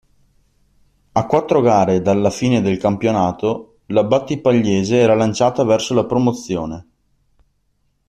A quattro gare dalla fine del campionato, la Battipagliese era lanciata verso la promozione.